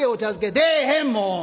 「出えへんもう！